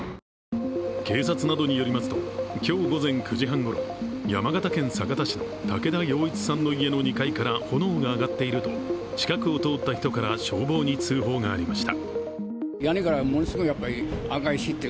警察などによりますと今日午前９時半ごろ山形県酒田市の武田陽一さんの家の２階から炎が上がっていると近くを通った人から消防に通報がありました。